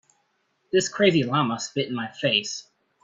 This crazy llama spit in my face.